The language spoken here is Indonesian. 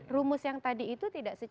rumus yang tadi itu tidak